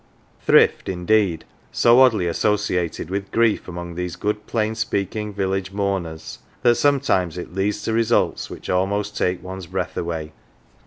Thrift, indeed, so oddly associated with grief among these good plain speaking village mourners, that sometimes it leads to results which almost take one's breath away.